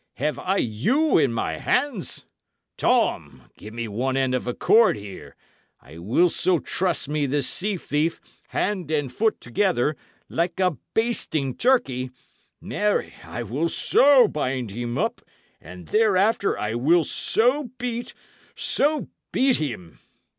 have I you in my hands? Tom, give me one end of a cord here; I will so truss me this sea thief, hand and foot together, like a basting turkey marry, I will so bind him up and thereafter I will so beat so beat him!"